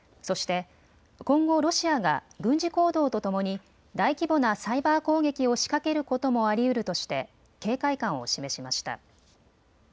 そして今後、ロシアが軍事行動とともに大規模なサイバー攻撃をしかけることもありうるとして、警戒感を示しました。